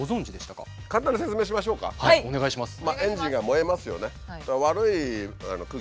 はいお願いします。